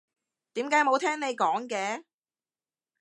點解冇聽你講嘅？